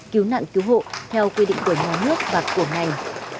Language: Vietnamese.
cứu nạn cứu hộ theo quy định của nhà nước và của ngành